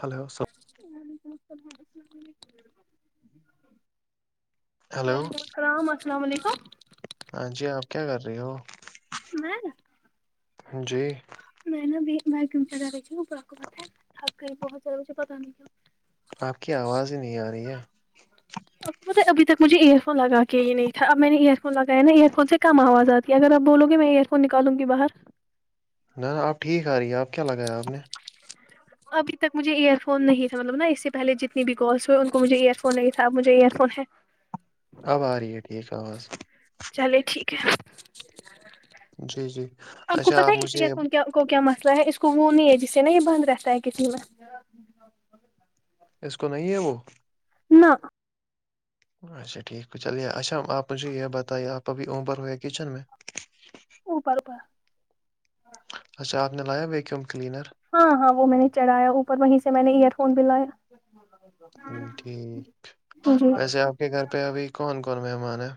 hello سب وعلیکم السلام السلام علیکم وعلیکم ہلو السلام السلام علیکم ہاں جی آپ کیا کر رہے ہو بر [unintelligible] جی میںا بھی میں کی چا رہی تھی ار کو پت ہے کر بہت زیادہ مجھے پتا نہیں کیاوں آپ کی آواز ہی نہیں آ رہی ہے بت ابھی ت مجھے ایئر فون لگا ہی نہیں تھاب میں نے ایئر فون لگیا نا ایئر فون سے کم آواز آ تھا کہ اگر آپ بولو گے میں ا ایئر فون نکالوں گی باہر ن ن آپ ٹھیک آ رہی ہے آپ کیا لگایا آپ نے ابھی تک مھے ایئر فون نہیں تھا مطلب نا اس سے پہے جتنی بھی کالس ہوئے ان کو مجھے ایئر فون نہیں تھاب مجھے ایئر فون ہے آب آ رہ ہے ٹھیک آواز چلے ٹھیک ہے جی جی کو اچھا پتہ آپ ہے اس مجھے ایئر فون کیا کو کیا مسئلہ ہے اس کو وہ نہیں ہے جس سے نا یہ بند رہتا ہے کسی میں اس کو نہیں ہے وہ نہ اچھا ٹھیک ہے چلیے اچھا آپ مجھے یہ بتائیے آپ ابھی امبر ہوئے کچن میں او پرپا اچا آپ نے لایا وییکیوم کلینر ہاں ہاں وہ میں نےڑھایا اوپر وہیں سے میں نے ایئر فون بھی للایا ٹھیک جی ویسے آپ کے گھر پہ ابھی کون کون مہمان ہیں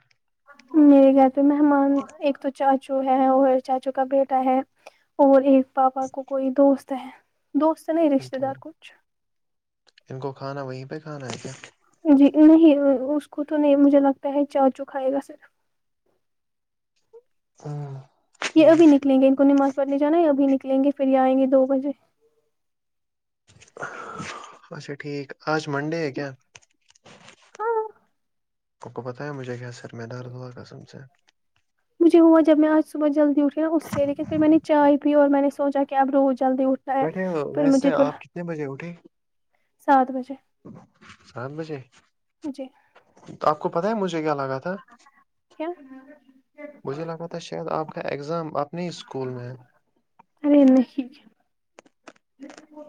میرے گھر پہ مہمان ایک تو چار چچو ہے اور چاچو کا بیٹا ہے اور ایک پاپا کو کوئی دوست ہے دوست نہیں رشتہ دار کچھ ان کو کھانا وہیں پہ کھانا ہے کیا جی نہیں اس کو تو نہیں مجھے لگتا ہے چا چکھائے گا صرف ہاں یہ اب نلیں گے ان کو نماز پڑنے جانا یہ ابھی نکلیں گے پھر یہ آئیں گے دو بجے اچھا ٹھیک آج منڈے ہے کیا ہاں آ کو بتایا مجھے کیا سر میں دار دعا قسم سے مجھے ہوا جب میں آج صبح جلدیٹھی نا اس سے لیکن پھر میں نے چائے پی اور میں نے سوچا کہ اب روز جلدی اٹھ بیٹھے ہو ویسے آپ کتنے بجے اٹھھی سات بجے سات بجے جی تو آپ کو پتا ہے مجھے کیا لگا تھا کیا مجھے لگا تھا شاید آپ کا اگزام اپنے ہی اسکول میں ہے نہیں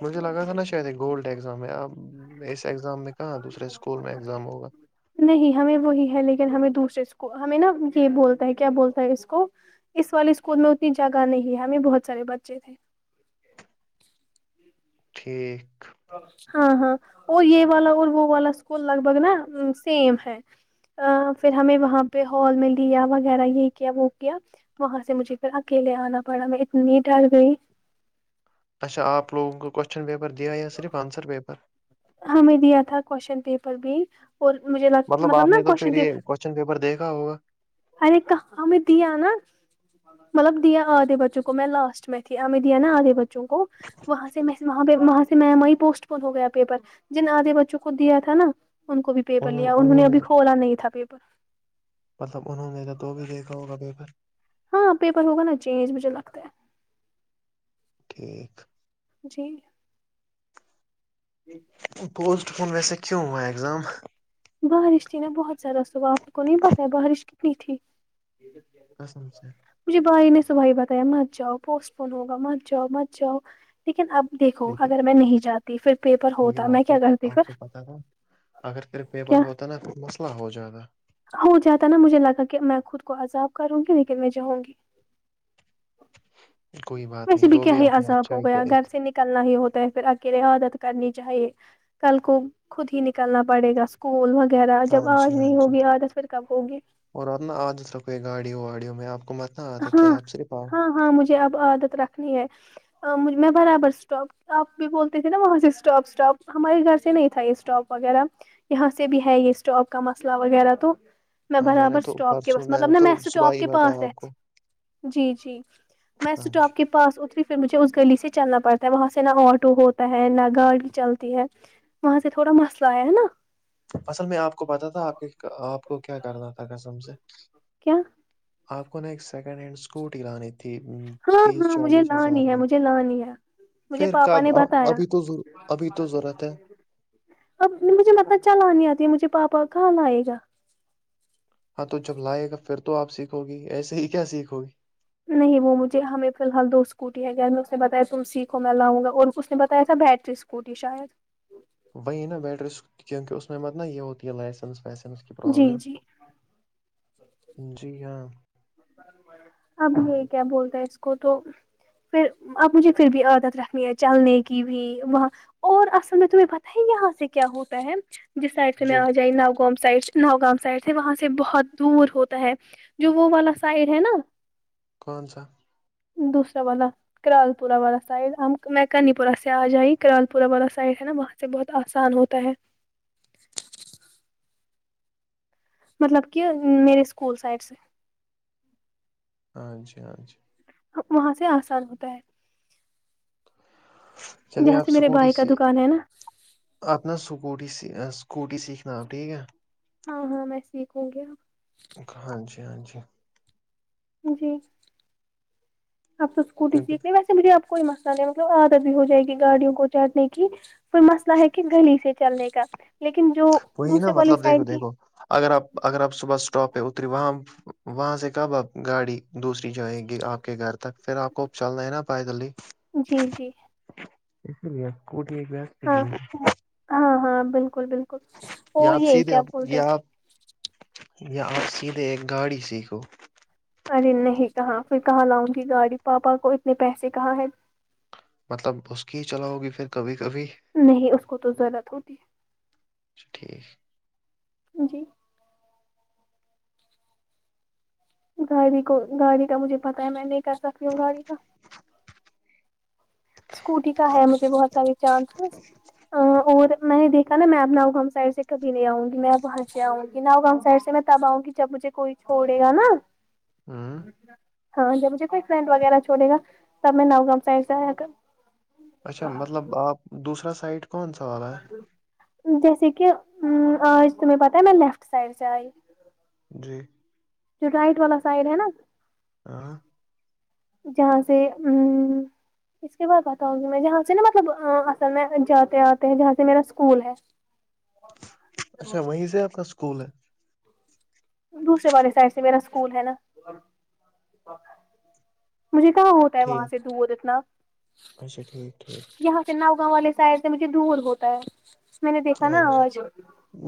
مجھے لگا تھا نا شاید ایک گولڈ ایگزام میں اب اس ایگزام میں کہاں دوسرے اسکول میں ایگزام ہوگا نہیں ہمیں وہی ہے لیکن ہمیں دوسرے کو ہمیں نا یہ بولتا ہے کیا بولتا ہے اس کو اس والے اسکول میں اتنی جگہ نہیں ہے ہمیں بہت سارے بچے تھے ٹھیک ہاں ہاں اور یہ والا اور وہ والا اسکول لگ بھگ نا سیم ہے پھر ہمیں وہاں پہ ہال میں لیا وغیرہ یہ کیا وہ کیا وہاں سے مجھے پھر اکیلے آنا پڑا میں اتنی ڈر گئی اچھا آپ لوگوں کوسچن پیپر دیا یا صرف آنسر پیپر ہمیں دیا تھا کوشچن پیپر بھی اور مجھے لگ مطلب نا کوشچن پیپر کون پپر دیکھا ہوا ارے کہاں ہمیں دیا نا مطلب دیا آدے بچوں کو میں لاسٹ میںی تھی ایں دیا نا آدے بچوں چوں کو وہاں سے میں وہاں پہ وہاں سے میں وہ پوسٹ پون ہو گیا پیپر جن آدھے بچوں کو دیا تھا نا ان کو بھی پیپر لیا انہوں نے اب کولا نہیں تھا پی مطلب انہوں نے تو تو بھی دیکھا ہوگا پیپر ہاں پیپر ہوگا نا چینج مجھے لگتا ہے ٹھیک جی پوسٹ فون ویسے کیوں وہ اگزام بارش تھی نا بہت زیادہ سبح آپ کو نہیں پتا ہے بارش کتنی تھی پسند سے مجھے بھائی نے ص بھائی بتایا مت جاؤ پوسٹ پون ہوگا مت جاؤ مت جاؤ لیکن اب دیکھو لیکن اگر میں نہیں جاتی پھر پیپر ہوتا میں کیا کرتی پھر ا اگر پھر پیپر کیا ہوتا نا تو مسئلہ ہو جائے گا ہو جاتا نا مجھے لگا کہ میں خود کو عذاب کروں گی لیکن میں جاؤں گی کوئی بات نہیں ویسے تو کیا بھی ہی آپ نے عذاب ہو اچھا کیا گیا اس گھر سے نکلنا ہی ہوتا ہے پھر اکیلے عادت کرنی چاہیے کل کو خود ہی نکلنا پڑے گا کول وغیرہ ہاں جب آج جی ہاں نہیں جی ہوگی آتا پھر کب ہوگی اور ا اپنا عادت رہ کوئی گاڑی واڑیوں میں آپ کو متنا عادت ہے آپ صرف آ مج اب عادت رکھنی ہے میں برابر اسٹاک آپ بھی بولتے تھے نا وہاں سے اسٹاپ اسٹاپ ہمارے گھر سے نہیں تھا یہ اسٹاپ وغیرہ یہاں سے بھی ہے یہ اسٹاپ کا مسئلہ وغیرہ تو می ہاں بر میں نے تو اسٹاپ کے پرسوں بس مطلب نے ن م تو میں صبح سٹاپ ہی کے بتایا پانچ آپ کو راتھ جی جی میں ہاں جی سٹاپ کے پاس اتری پھر مجھے اس گلی سے چلنا پڑتا ہے وہاں سے نہ آٹو ہوتا ہے نہ گاڑی چلتی ہے وہاں سے تھوڑا مسئلہ آیا ہے نا اصل میں آپ کو پتتا تھا آپ کے آپ کو کیا کرنا تھا کسم سے کیا آپ کو نے ایک سیکنڈ ہینڈ اسکوٹی لانی تھی م، ہاں تیس ہاں مجھے چالیس ل ہزار ہی ہے کی مجھے لانی ہے مجھے پھر پاپا نے کب بتایا ابھی تو ضرور- ابھی تو ضرورت ہے اب مجھے مطلب چلانی آتی ہے مجھے پاپا کہاں آئے گا ہاں تو جب لائے گا پھر تو آپ سیکھوی ایسے ہی کیا سیکھو گی نہیں وہ مجھے ہمیں فیحال دو اسکوٹی ہے گیا میں اس نے بتایا تم سیکھو م میں لاں گا اور اس نے بتایا ای تھاا بیٹری اسک کوٹی شاید وہی نا بیٹری کیونکہ اس میں مت نا یہ ہوتی ہے لائسنس ویسن مس کی جی پرابلم جی جی ہاں اب یہ کیا بولتا ہے اس کو تو پھر اب مجھے پھر بھی عادت رکھنی ہے چلنے کی بھی وہ اور اصل میں تمہیں پتا ہے یہاں سے کیا ہوتا ہے جس سائڈ سے میں جی آ جائی ناگاؤں میں سائڈ ناگام سائڈ سے وہاں سے بہت دور ہوتا ہے جو وہ والا س سائڈ ہے نا کون سا دوسرا واللا کرالپورہ والا سائڈ میں کنی پورہ سے آ جائی کرالپورہ والا سائڈ ہے نا اس سے بہت آسان ہوتا ہے مطلب کہ میرے سکول سائڈ سے ہاچھا اچھا وہاں سے آسان ہوتا ہے چلے جہاں آپ سے میرے اسکوٹی بھائی کا سے دکان ہے نا اپنا سکوٹی س سکوٹی سیککھناپ ٹھیک ہے ہاں ہاں میں سیکھوں گی ہاں جی ہاں جی جی آپ تو اسکوٹی کیونکہ سیکتنے ویس مجھے آپ کوئی مسئلہ نہیں مطلب عادت بھی ہو جائے گی گاڑیوں کو چاٹنے کی کوئی مسئلہ ہے کہ گلی سے چلنے کا لیکن جو وہی نا دوسرے والی مطلب دیکھو سائڈ کی دیکھو اگر آپ اگر آپ صبح اسٹاپ پہ اتری وہاں وہاں سے کب آپ گاڑی دوسری جگ گی آپ کے گھر تک پھر آپ کو چل رہ ہے نا پائے دللی جی جی کوٹی ایک بس ہاں [unintelligible] ہاں ہاں بالکل بالکل یا اور آپ یہ سیدھے کیا آپ بولتے یا آپ یا آپ سیدھے ایک گاڑی سیکھو ارے نہیں کہااں پھر کہا لاؤں گی گاڑی پاپا کو اتنے پیسے کہاں ہے مطلب اس کی ہی چلا ہوگی پھر کبھی کبھی نہیں اس کو تو ضرورت ہوتی ٹھیک جی گاڑی کو گاڑی کا مجھے پتاہ ہے میں نہیں کر سکتی ہوں گاڑی کا اسکوٹی کا ہے مجھے بہت سارے چانسز اور میں نے دیکھ ن میں اپناں ہم سائ سے کھی نہیں آؤں گی میں وہاں سے آؤں گی نؤ گاؤں سہر سے میں تب آؤں گی جب مجھے کوئی چھوڑے گا نا ہوں ہاں جب مجھے کوئی فرینڈ وغیرہ چھوے گا تب میں نگں سائڈ سے آیا کر اچھا مطلب آپ دوسرا سائڈ کون سا وال رہا ہے جیسے کہ آج تمہیں پتاہ ہے میں لیفٹ سائڈ سے آئی جی جو رائٹ والا سائڈ ہے نا آ [unintelligible] جہاں سے ا اس کے بعد بتاؤں گی میں جہاں سے نا مطلب اصل میں جاتے آتے جہاں سے میرا اسکول ہے اچھا وہیں سے آپ کا اسکول ہے دوسرے والے سائڈ سے میرا اسکول ہے نا مجھے کہ ہو وہاں سے ٹھیک دور اتنا اچھا ٹھیک ٹھیک یہاں ناؤ گاں وال سائڈ سے مجھے دھول ہوتا ہے میں نے دیکھا نا ہاں جی آواز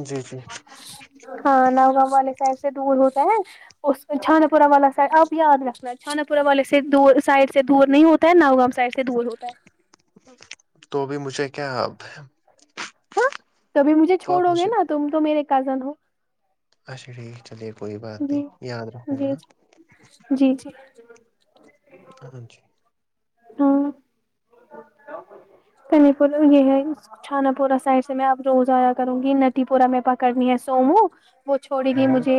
جی جی ہاں نؤ گاؤں والے پسے دور ہوتا ہے نا اس چھانا پورا والا سائڈ آپ یاد رکھنا ہے چھانا پورہ والے سے سائڈ سے دور نہیں ہوتا نوگام سائڈ سے دور ہوتا ہے تو بھی مجھے کیا ہاں کبھی مجھے تو آپ چھوڑو گے مجھے نا تم تو میرے کزن ہو اچھا ٹھیک ہے چلیے کوئی بات نہیں جی یاد رکھوں جی گا جی جی ہا جی ہاں [unintelligible] [inaudible] کنی پور یہ ہے چھانا پورا سائڈ سے میں اب روز آیا کروں گی نٹی پورہ میں پکڑنی ہے سومو وہ چھوڑے گی ہاں مجھے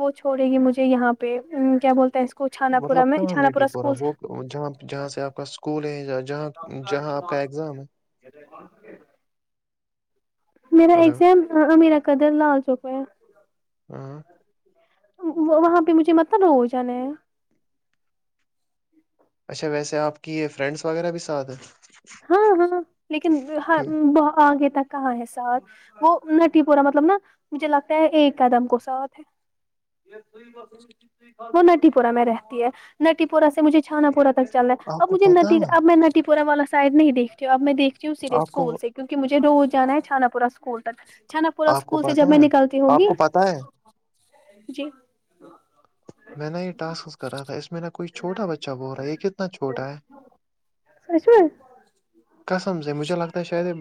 وہ چھوڑے گی مجھے یہاں پہ کیا بولتا ہے چھانا پورا مطلب میں کہاں چھانا پورا نٹی پورہ اسکول وہ جہاں جہاں سے آپ کا اسکول ہے جہاں جہاں آپ کا اگزام ہے یہ کون میرا ہلو ایگزام ہ میرا قدر لال چوکا ہے ہوں وہاں پہ مجھے متن ہو جانا ہے اچھا ویسے آپ کی یہ فرینڈس وغیرہ بھی ساتھ ہیں ہاں ہاں لیکن ہ ب آگے تک کہاں ہے ساتھ وہ نٹی پورا مطلب نا مجھے لگتا ہے ایک کدم کو ساتھ ہے وہ نٹی پورہ میں رہتی ہے نٹی پورہ سے مجھے چھانا پڑا چل رہ ہے آپ اب کو مجھے پتہ ن ہے اب میں نٹی پورہ والا سائڈ نہیںیکھتی ہوں اب میں دیکھتی ہوںے آپ کو اسکول سے کیونکہ مجھے رو جانا ہے چانا پورہ اسکول تک چھناا پورا آپ کو اسکول سے پتہ جب میں ہے نکلتی آپ ہوگی کو پتہ ہے جی میں نے یہ ٹس کرا تھا اس میں ن ک کوئی چوٹا بچہ بول رہا ہے یہ کتنا چھوٹا ہے سشم کسم سے ہے مجھے لگتا ہے شاید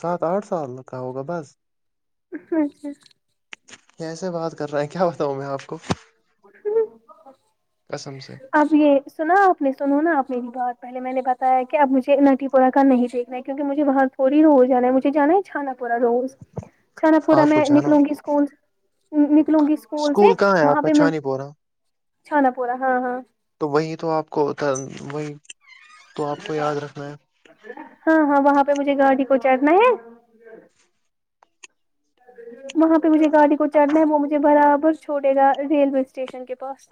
سات آٹھ سال کا ہوگا بس اچھا کیسے بات کر رہے ہیں کیا بتاؤں میں آپ کو [inaudible] قسم سے اب یہ سنا آپ نے سنو نا آپ نے بھی بہت پہلے میں نے بتایا کہ اب مجھے نٹی پورہ کا نہیں دیکھنا ہے کیونکہ مجھے بہت اوری روز جانا ہے مجھے جانا ہے چھانا پورا روز چھانا پورا آپ کو میں جانا نکلوں گی اسکول نکلوں گی اسکول سے وہاں پہ میں پ رہا کھانا پورا ہاں ہاں تو وہی تو آپ کوتا وہی تو آپ کو یاد رکھنا ہاں ہاں وہاں پہ مجھے گاڑی کو چڑنا ہے وہاں پہ مجھے گاڑی کو چڑھنا ہے وہ مجھے برابر چھوڑے گا ریلوے اسٹیشن کے پاس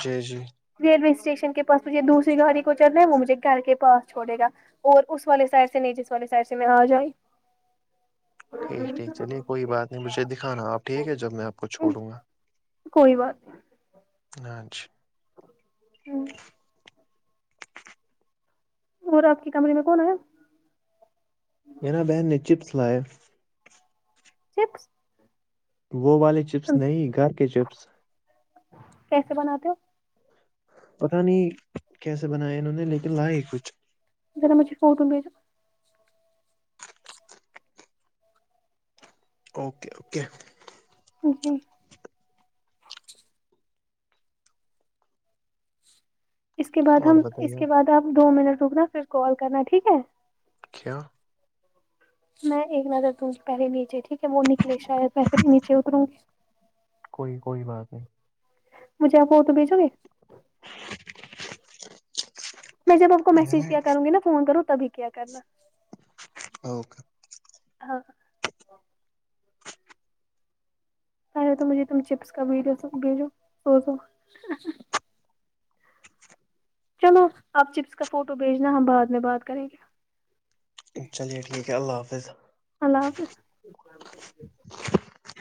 جی جی ریلوے اسٹیشن کے پاس مجھے دوسری گاڑی کو چلنا ہے وہ مجھے گھر کے پاس چھڑے گا اور اس والے سر سے نہیں جس والے سائر سے میں آ جائی ٹھیک ٹھیک چلیے کوئی بات نہیں مجھے دکھانا آپ ٹھیک ہے جب میں آپ کو چھوڑوں گا کوئی ہاں ج ہوں اور آپ کی کمے میں کون ہے میرا بہن نے چپس لائے سکس وہ والے چپس نہیں گھر کے چپس کیسے بناتے ہو پتا نہیں کیسے بنائے انہوں نے لیکن لائے ہی کچھ ر مجھے فوٹن بھی اوکے اوکے جی اس کے بعد اور ہم ا اس بتائیے کے بعد آپ دو منٹ رکنا پھر کال کرنا ٹھیک ہے کھی میں ایک نظر دوں گی پہلے نیچے ٹھیک ہے وہ نکلے شاید پہ پہے نیچے اتروں گی کوئی کوئی بات نہیں مجھےپ کو وہ تو بھیجو گے [unintelligible] میں جب آپ کو میں میسج نے کیا کروں گی نا فون کروں تبھی کیا کرنا اوکے ہاں پلے تو مجھے تم چپس کا بھیڈ س بھیجو سوزو چلو آپ چپس کا فوٹو بھیجنا ہم بعد میں بات کریں گے چلیے ٹھیک ہے اللہ حافظ اللہ حافظ [inaudible]